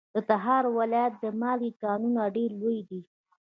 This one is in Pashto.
د تخار ولایت د مالګې کانونه ډیر لوی دي.